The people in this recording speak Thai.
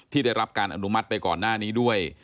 ได้รับการอนุมัติไปก่อนหน้านี้ด้วย